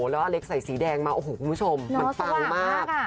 แล้วอเล็กใส่สีแดงมาโอ้โหคุณผู้ชมมันปังมาก